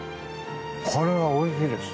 これはおいしいです！